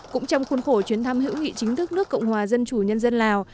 cũng trong khuôn khổ chuyến thăm hữu nghị chính thức nước cộng hòa dân chủ nhân dân lào